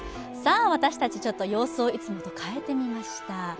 私たち、ちょっと様相をいつもと変えてました。